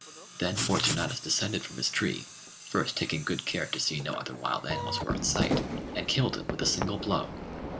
Then Fortunatus descended from his tree (first taking good care to see no other wild animals were in sight) and killed him with a single blow.